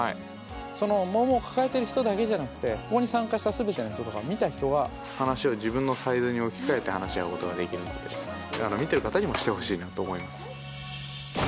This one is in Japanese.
そのモンモンを抱えてる人だけじゃなくてここに参加した全ての人とか見た人が話を自分のサイズに置き換えて話し合うことができるんで見てる方にもしてほしいなと思います。